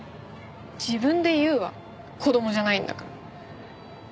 自分で言うわ子供じゃないんだから。